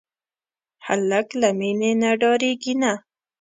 هلک له مینې نه ډاریږي نه.